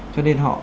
cho nên họ